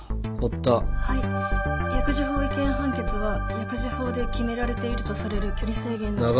薬事法違憲判決は薬事法で決められているとされる距離制限の規定。